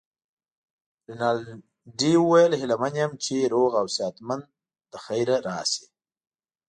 رینالډي وویل: هیله من یم چي روغ او صحت مند له خیره راشې.